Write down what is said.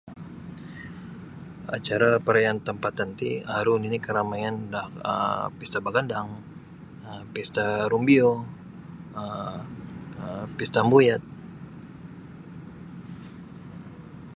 Acara parayaan tampatan ti aru nini' karamaian da um pesta bagandang um pesta rumbio um pesta ambuyat.